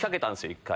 １回。